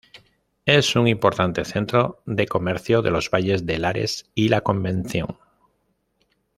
Es un importante centro de comercio de los valles de Lares y La Convención.